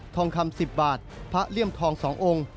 ทองคำ๑๐บาทพระเลี่ยมทอง๒องค์